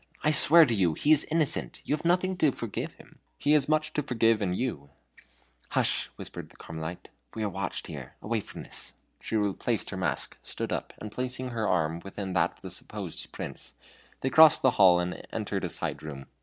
I swear to you he is innocent you have nothing to forgive in him he has much to forgive in you." "Hush!" whispered the Carmelite, "we are watched here; away from this." She replaced her mask, stood up, and placing her arm within that of the supposed Prince, they crossed the hall and entered a side room.